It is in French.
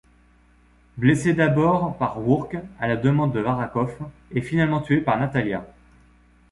Blessé d'abord par Rourke à la demande de Varakov, et finalement tué par Natalia.